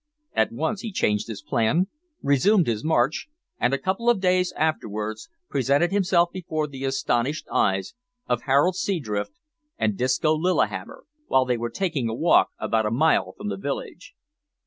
At once he changed his plan, resumed his march, and, a couple of days afterwards, presented himself before the astonished eyes of Harold Seadrift and Disco Lillihammer, while they were taking a walk about a mile from the village.